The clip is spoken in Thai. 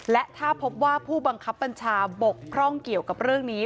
และถ้าพบว่าผู้บังคับบัญชาบกพร่องเกี่ยวกับเรื่องนี้